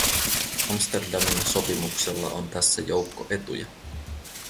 Amsterdamin sopimuksella on tässä joukko etuja.